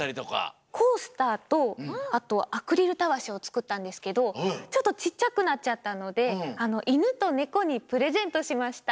コースターとあとアクリルたわしをつくったんですけどちょっとちっちゃくなっちゃったのでイヌとネコにプレゼントしました。